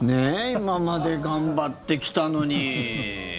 今まで頑張ってきたのに。